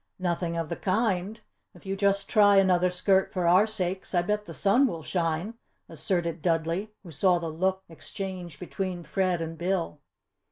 "Nothing of the kind! If you just try another skirt for our sakes, I bet the sun will shine!" asserted Dudley, who saw the look exchanged between Fred and Bill.